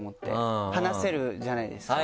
話せるじゃないですか。